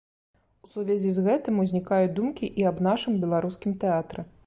У сувязі з гэтым узнікаюць думкі і аб нашым беларускім тэатры.